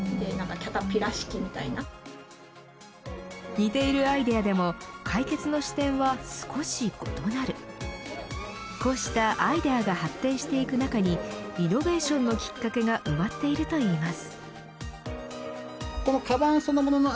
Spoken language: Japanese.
似ているアイデアでも解決の視点は少し異なるこうしたアイデアが発展していく中にリノベーションのきっかけが埋まっているといいます。